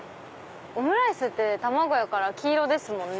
オムライスって卵やから黄色ですもんね。